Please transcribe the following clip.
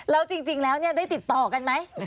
แล้วจริงแล้วได้ติดต่อกันไหม